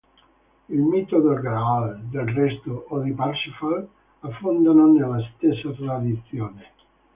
Il mito del graal, del resto, o di Parsifal affondano nella stessa tradizione.